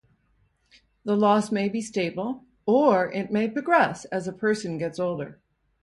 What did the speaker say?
The loss may be stable, or it may progress as a person gets older.